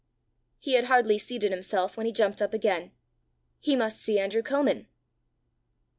He had hardly seated himself when he jumped up again: he must see Andrew Comin!